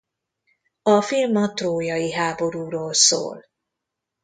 A film a trójai háborúról szól.